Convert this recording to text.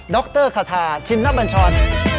ดรคาทาชิมนับบัญชร